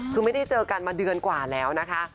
คือไม่ได้เจอกันมาเดือนกว่าแล้วนะคะ